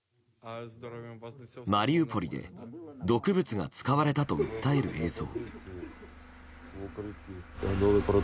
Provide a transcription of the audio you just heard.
マリウポリで毒物が使われたと訴える映像。